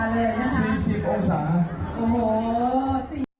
๔๐องศา